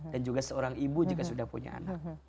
dan juga seorang ibu jika sudah punya anak